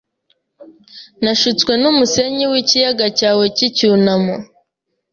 Nashutswe numusenyi wikiyaga cyawe cyicyunamo